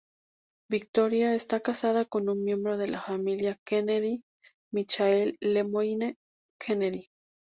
Victoria está casada con un miembro de la Familia Kennedy, Michael LeMoyne Kennedy.